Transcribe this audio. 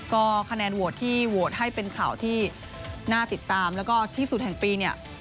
ก็คะแนนโหวตที่โหวตให้เป็นข่าวที่น่าติดตามแล้วก็ที่สุดแห่งปีเนี่ย